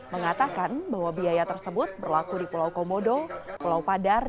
mengatakan bahwa biaya tersebut berlaku di pulau komodo pulau padar